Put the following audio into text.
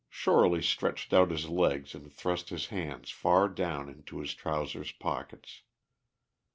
Shorely stretched out his legs and thrust his hands far down in his trousers' pockets.